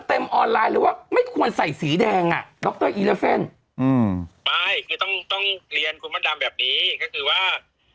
ต้องเรียนคุณมัดดามแบบนี้ขึ้นว่า